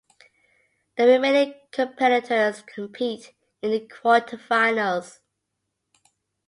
The remaining competitors compete in the quarterfinals.